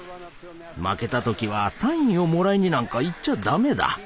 負けた時はサインをもらいになんか行っちゃダメだ。